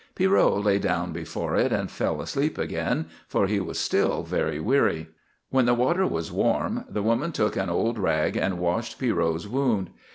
Pierrot lay down before it and fell asleep again, for he was still very weary. When the water was warm the woman took an old rag and washed Pierrot's wound.